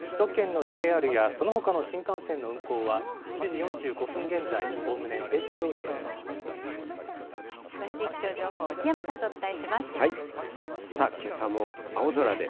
首都圏のＪＲやそのほかの新幹線の運行は７時４５分現在、おおむ詳しい気象情報、檜山さんとさあ、けさも青空で。